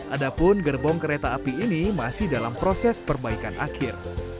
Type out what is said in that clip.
adapun gerbong kereta api ini masih dalam proses perbaikan akhir